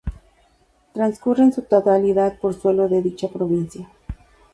Transcurre en su totalidad por suelo de dicha provincia.